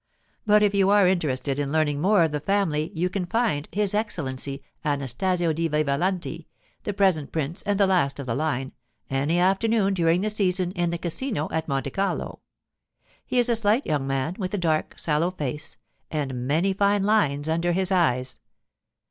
But if you are interested in learning more of the family you can find his Excellency Anastasio di Vivalanti, the present prince and the last of the line, any afternoon during the season in the casino at Monte Carlo. He is a slight young man with a dark, sallow face and many fine lines under his eyes.